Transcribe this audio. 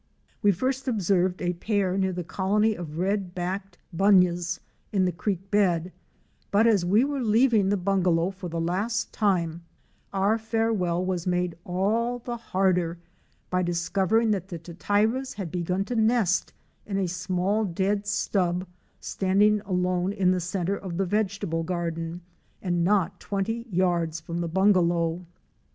We first observed a pair near the colony of Red backed Bunyahs in the creek bed, but as we were leaving the bunga low for the last time, our farewell was made all the harder by discovering that the Tityras had begun to nest in a small dead stub standing alone in the centre of the vegetable garden and not twenty yards from the bungalow.